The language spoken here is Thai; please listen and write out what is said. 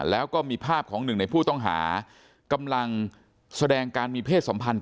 แล้วก็มีภาพของหนึ่งในผู้ต้องหากำลังแสดงการมีเพศสัมพันธ์